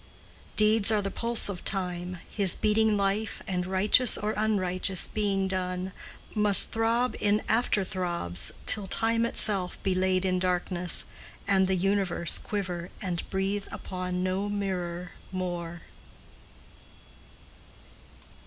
Deeds are the pulse of Time, his beating life, And righteous or unrighteous, being done, Must throb in after throbs till Time itself Be laid in darkness, and the universe Quiver and breathe upon no mirror more.